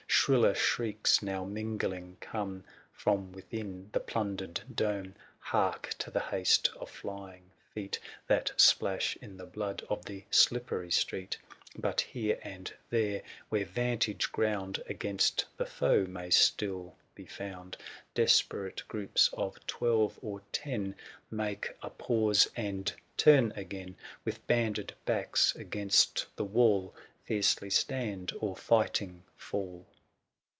725 Shriller shrieks now mingling come From within the plundered dome : i Hark to the haste of flying feet, That splash in the blood of the slippery street ; But here and there, where 'vantage ground 780 Against the foe may still be founds THE SIEGE OF CORINTH. 4i Desperate groups, of twelve or ten. Make a pause, and turn again — With banded backs against the wall, Fiercely stand, or fighting fall.